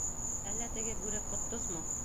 Әллә теге Бүре Ҡотдосмо?